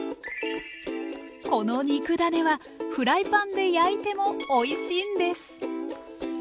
この肉ダネはフライパンで焼いてもおいしいんです！